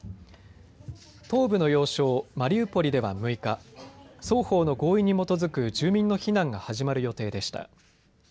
東部の要衝マリウポリでは６日、双方の合意に基づく住民の避難が始まる予定でした。